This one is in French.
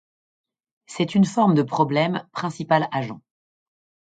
C'est une forme du problème principal-agent.